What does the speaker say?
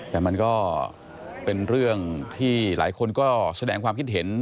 แต่มันก็เป็นเรื่องที่หลายคนก็แสดงความคิดเห็น